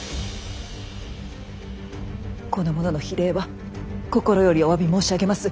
この者の非礼は心よりおわび申し上げます。